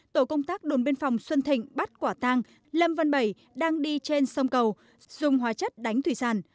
tổ công tác đồn biên phòng xuân thịnh bắt quả tăng lâm văn bảy đang đi trên sông cầu dùng hóa chất đánh thủy sản